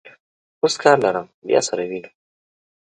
اوس کار لرم، بیا سره وینو.